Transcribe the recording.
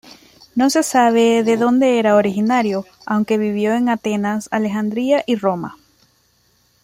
No se sabe de dónde era originario, aunque vivió en Atenas, Alejandría y Roma.